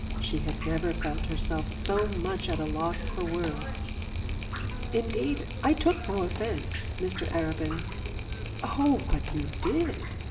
She had never felt herself so much at a loss for words. 'Indeed I took no offence, Mr Arabin.' 'Oh, but you did!